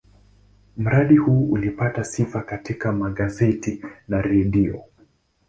Mradi huu ulipata sifa katika magazeti na redio.